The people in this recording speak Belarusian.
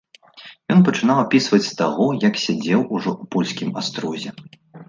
Ён пачынаў апісваць з таго, як сядзеў ужо ў польскім астрозе.